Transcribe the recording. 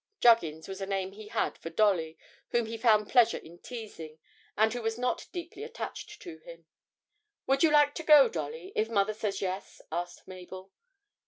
(Juggins was a name he had for Dolly, whom he found pleasure in teasing, and who was not deeply attached to him.) 'Would you like to go, Dolly, if mother says yes?' asked Mabel.